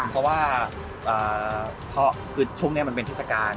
เพราะว่าช่วงนี้มันเป็นทศกาล